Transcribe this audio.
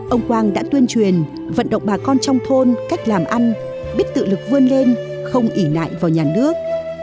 ông quang đã tuyên truyền vận động bà con trong thôn cách làm ăn biết tự lực vươn lên không ỉ lại vào nhà nước